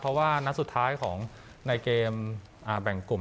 เพราะว่านัดสุดท้ายของในเกมแบ่งกลุ่ม